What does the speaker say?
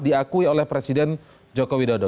diakui oleh presiden joko widodo